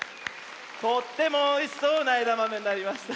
とってもおいしそうなえだまめになりました。